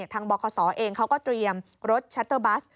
บคศเองเขาก็เตรียมรถชัตเตอร์บัส